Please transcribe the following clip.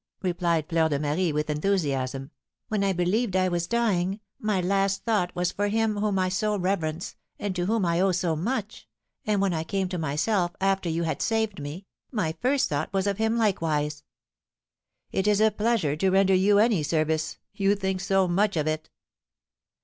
replied Fleur de Marie, with enthusiasm; "when I believed I was dying, my last thought was for him whom I so reverence, and to whom I owe so much, and, when I came to myself after you had saved me, my first thought was of him likewise." "It is a pleasure to render you any service, you think so much of it."